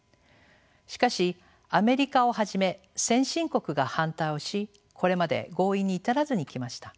しかしアメリカをはじめ先進国が反対をしこれまで合意に至らずにきました。